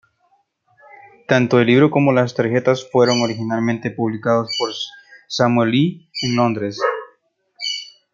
Tanto el libro como las tarjetas fueron originalmente publicados por Samuel Leigh en Londres.